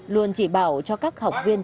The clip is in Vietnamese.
luôn chỉ bảo cho các học viên